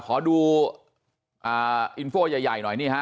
ขอดูอินโฟใหญ่หน่อยนี่ฮะ